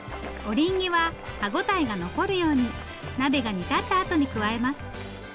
オリンギは歯応えが残るように鍋が煮立ったあとに加えます。